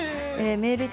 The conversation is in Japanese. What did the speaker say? メールです。